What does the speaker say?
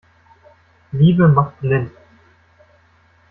Liebe macht blind.